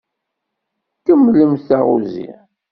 Kemmlemt taɣuzi.